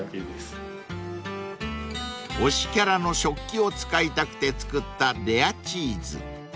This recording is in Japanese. ［推しキャラの食器を使いたくて作ったレアチーズ］